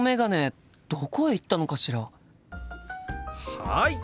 はい！